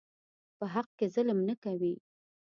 په حق کې ظلم نه کوي.